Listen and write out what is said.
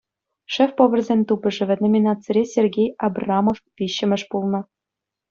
«Шеф-поварсен тупӑшӑвӗ» номинацире Сергей Абрамов виҫҫӗмӗш пулнӑ.